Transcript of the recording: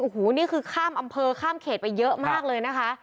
โอ้โหนี่คือข้ามอำเภอข้ามเขตไปเยอะมากเลยนะคะ